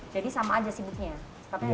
jadi sama aja sibuknya